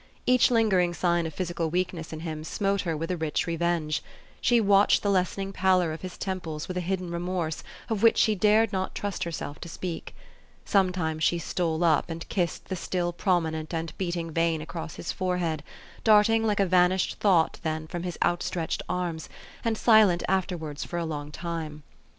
Each lingering sign of physical weakness in him smote her with a rich revenge. She watched the lessening pallor of his temples with a hidden remorse of which she dared not trust herself to speak. Sometimes she stole up, and kissed the still promi nent and beating vein across his forehead, darting like a vanished thought then from his outstretched arms, and silent afterwards for a long tune.